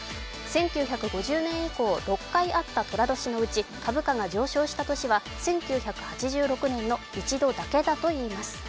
１９５０年以降６回あったとら年のうち株価が上昇した年は１９８６年の一度だけだといいます。